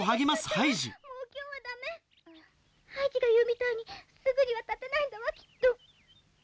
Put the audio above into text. ハイジが言うみたいにすぐには立てないんだわきっと。